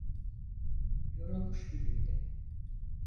Yorulmuş gibiydi.